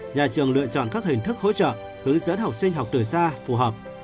nhà trường lựa chọn các hình thức hỗ trợ hướng dẫn học sinh học từ xa phù hợp